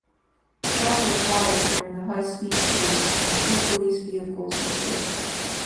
Shots were fired during the high-speed chase and two police vehicles were hit.